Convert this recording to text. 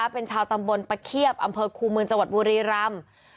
เป็นชาวตำบลปะเคียบอำเภอคูเมืองจังหวัดบุรีรำ